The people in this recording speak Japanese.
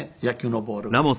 野球のボールが。